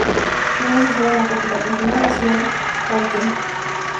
Tiene su sede en la capital regional, la ciudad de Coyhaique.